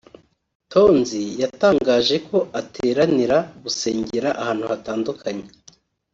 Tonzi yatangaje ko ateranira (gusengera) ahantu hatandukanye